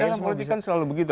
dalam politik kan selalu begitu